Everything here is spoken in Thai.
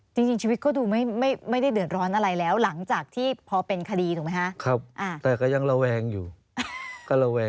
ชีวิตก็ดูไม่ได้เดือดร้อนอะไรแล้วหลังจากที่พอเป็นคดีถูกไหมคะ